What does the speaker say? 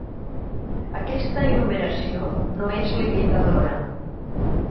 Aquesta enumeració no és limitadora.